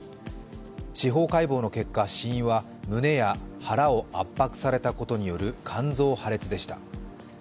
司法解剖の結果死因は胸や腹を圧迫されたことによる肝臓破裂でした。